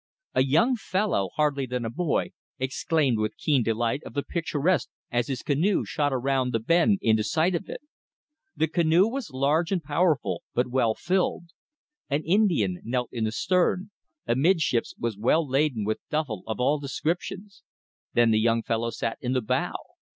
A young fellow, hardly more than a boy, exclaimed with keen delight of the picturesque as his canoe shot around the bend into sight of it. The canoe was large and powerful, but well filled. An Indian knelt in the stern; amidships was well laden with duffle of all descriptions; then the young fellow sat in the bow.